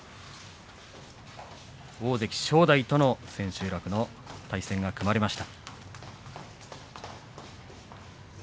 大関正代との千秋楽の対戦が組まれました。